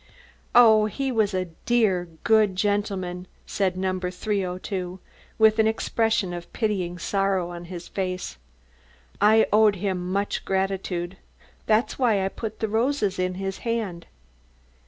"Oh, he was a dear, good gentleman," said No. 302 with an expression of pitying sorrow on his face. "I owed him much gratitude; that's why I put the roses in his hand."